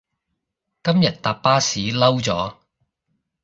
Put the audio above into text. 今日搭巴士嬲咗